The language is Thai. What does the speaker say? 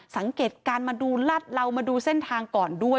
สังเกตการมาดูลาดเหลามาดูเส้นทางก่อนด้วย